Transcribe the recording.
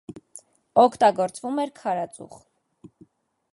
Օգտագործվում էր քարածուխ։